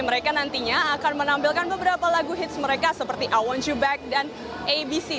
mereka nantinya akan menampilkan beberapa lagu hits mereka seperti a satu back dan abc